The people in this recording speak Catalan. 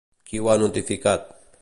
Qui ho ha notificat?